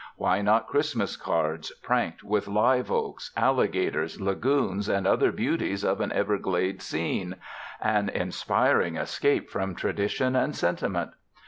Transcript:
Why not Christmas cards pranked with live oaks, alligators, lagoons, and other beauties of an Everglade scene—an inspiring escape from tradition and sentiment?